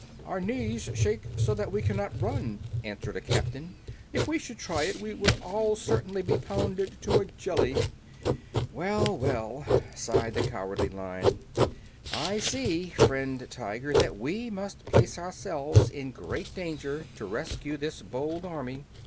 "Our knees shake so that we cannot run," answered a captain. "If we should try it we would all certainly be pounded to a jelly." "Well, well," sighed the Cowardly Lion, "I see, friend Tiger, that we must place ourselves in great danger to rescue this bold army.